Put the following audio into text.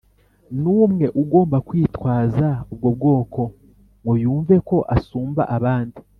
n'umwe ugomba kwitwaza ubwo bwoko ngo yumve ko asumba abandi,